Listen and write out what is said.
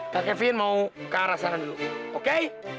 kak kevin mau ke arah sana dulu oke